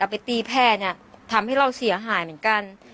ไปตีแพร่เนี่ยทำให้เราเสียหายเหมือนกัน